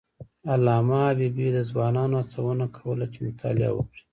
علامه حبیبي د ځوانانو هڅونه کوله چې مطالعه وکړي.